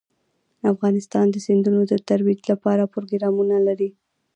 افغانستان د سیندونه د ترویج لپاره پروګرامونه لري.